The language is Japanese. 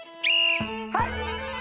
はい！